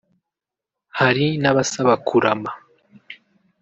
hari n'abasaba kurama